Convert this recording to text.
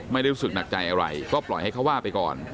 ไม่ได้รู้สึกหนักใจอะไรก็ปล่อยให้เขาว่าไปก่อน